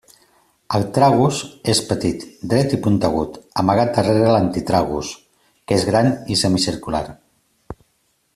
El tragus és petit, dret i puntegut, amagat darrere l'antitragus, que és gran i semicircular.